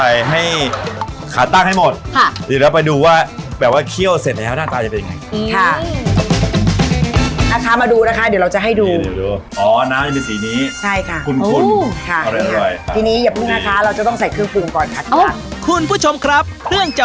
จริงเราจะเคี่ยวไปเรื่อยเราจะเปิดไฟเรื่อย